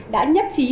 đã nhắc chí